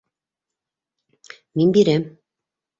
Мин бирәм.